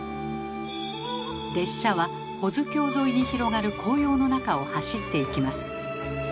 列車は保津峡沿いに広がる紅葉の中を走っていきます。